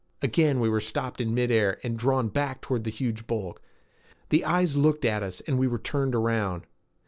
Again we were stopped in midair and drawn back toward the huge bulk. The eyes looked at us and we were turned around.